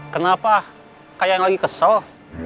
kenapa kayak yang lagi kesel